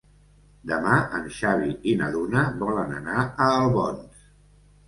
Demà en Xavi i na Duna volen anar a Albons.